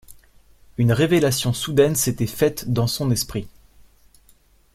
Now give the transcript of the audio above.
Une révélation soudaine s’était faite dans son esprit!